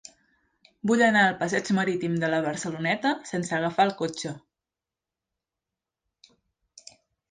Vull anar al passeig Marítim de la Barceloneta sense agafar el cotxe.